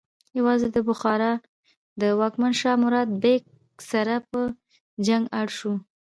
یوازې د بخارا د واکمن شاه مراد بیک سره په جنګ اړ شو.